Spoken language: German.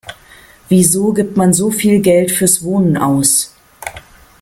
Wieso gibt man so viel Geld fürs Wohnen aus?